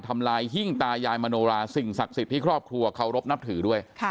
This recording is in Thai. ทำลายหิ้งตายายมโนราสิ่งศักดิ์สิทธิ์ที่ครอบครัวเคารพนับถือด้วย